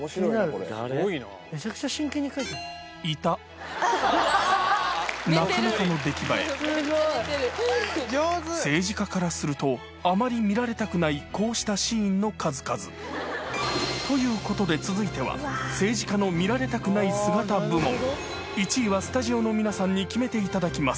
いたなかなかの出来栄え政治家からするとあまり見られたくないこうしたシーンの数々ということで続いては１位はスタジオの皆さんに決めていただきます